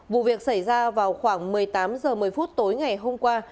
vụ việc xảy ra vào khoảng một mươi tám h một mươi phút tối ngày hôm qua